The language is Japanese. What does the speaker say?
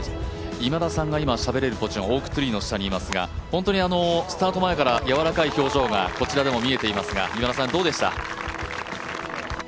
今田さんが今しゃべれるポジションにいますが本当にスタート前から柔らかい表情がこちらでも見えていますが、今田さん、どうでした？